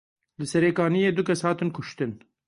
Li SerêKaniyê du kes hatin kuştin.